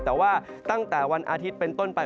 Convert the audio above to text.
แต่ว่าตั้งแต่วันอาทิตย์เป็นต้นไป